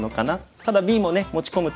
ただＢもね持ち込むと。